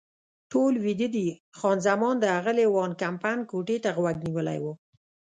ټول ویده دي، خان زمان د اغلې وان کمپن کوټې ته غوږ نیولی و.